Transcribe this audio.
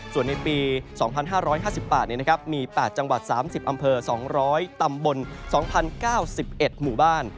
ส่วนในปี๒๕๕๘มี๘จังหวัด๓๐อำเภอ๒๐๐ตำบล๒๐๙๑หมู่บ้าน